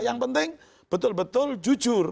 yang penting betul betul jujur